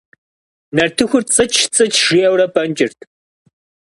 Нартыхур цӏыч-цӏыч жиӏэурэ пӏэнкӏырт.